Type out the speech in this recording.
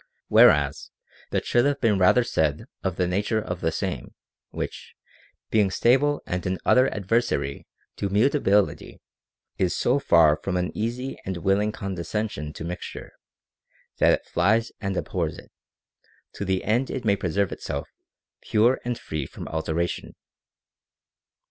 Whereas that should have been rather said of the nature of the Same ; which, being stable and an utter adversary to mutability, is so far from an easy and willing condescension to mixture, that it flies and abhors it, to the end it may preserve itself pure and free from alteration.